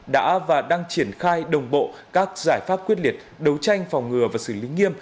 đã và đang triển khai đồng bộ các giải pháp quyết liệt đấu tranh phòng ngừa và xử lý nghiêm